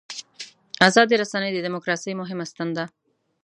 ازادې رسنۍ د دیموکراسۍ مهمه ستن ده.